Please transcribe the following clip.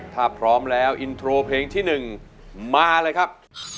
ถ้าพร้อมแล้วอินโทรเพลงที่๑มาเลยครับ